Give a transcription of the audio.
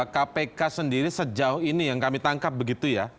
kpk sendiri sejauh ini yang kami tangkap begitu ya